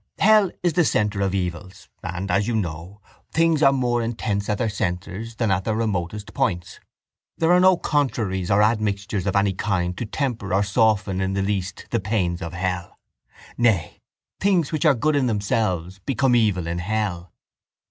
Hell is the centre of evils and, as you know, things are more intense at their centres than at their remotest points. There are no contraries or admixtures of any kind to temper or soften in the least the pains of hell. Nay, things which are good in themselves become evil in hell.